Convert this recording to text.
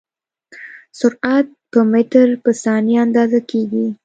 سرعت په متر په ثانیه اندازه کېږي.